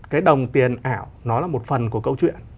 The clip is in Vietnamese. cái đồng tiền ảo nó là một phần của câu chuyện